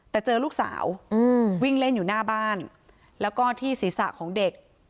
แต่เจอลูกสาววิ่งเล่นอยู่หน้าบ้านแล้วก็ที่ศีรษะของเด็ก